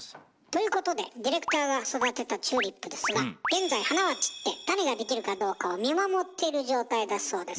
ということでディレクターが育てたチューリップですが現在花は散って種が出来るかどうかを見守っている状態だそうです。